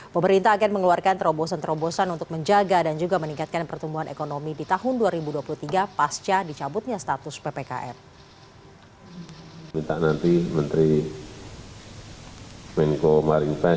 pemerintah akan mengeluarkan terobosan terobosan untuk menjaga dan juga meningkatkan pertumbuhan ekonomi di tahun dua ribu dua puluh tiga pasca dicabutnya status ppkm